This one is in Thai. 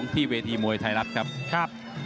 ที่เวทีมวยไทยรัฐครับ